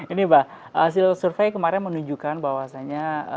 ini mbak hasil survei kemarin menunjukkan bahwasannya